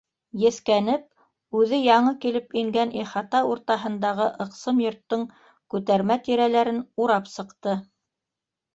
Еҫкәнеп, үҙе яңы килеп ингән ихата уртаһындағы ыҡсым йорттоң күтәрмә тирәләрен урап сыҡты.